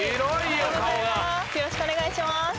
よろしくお願いします！